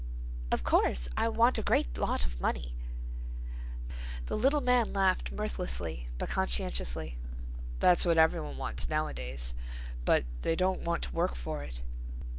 "Of course I want a great lot of money—" The little man laughed mirthlessly but conscientiously. "That's what every one wants nowadays, but they don't want to work for it."